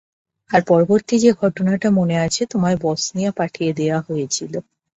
আর পরবর্তী যে ঘটনাটা মনে আছে, তোমায় বসনিয়া পাঠিয়ে দেয়া হয়েছিল।